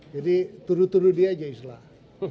jadi turut turut dia aja islah